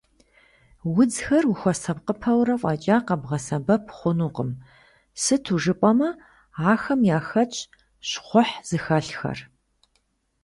Удзхэр ухуэсакъыпэурэ фӏэкӏа къэбгъэсэбэп хъунукъым, сыту жыпӏэмэ, ахэм яхэтщ щхъухь зыхэлъхэр.